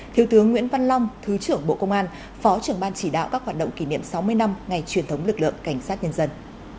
thiếu tướng nguyễn văn long thứ trưởng bộ công an phó trưởng ban chỉ đạo các hoạt động kỷ niệm sáu mươi năm ngày truyền thống lực lượng cảnh sát nhân dân